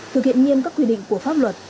thực hiện nghiêm các quy định của pháp luật